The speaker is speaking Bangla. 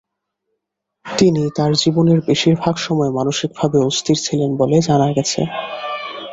তিনি তার জীবনের বেশিরভাগ সময় মানসিকভাবে অস্থির ছিলেন বলে জানা গেছে।